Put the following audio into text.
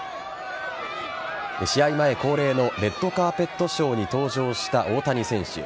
試合前恒例のレッドカーペットショーに登場した大谷選手。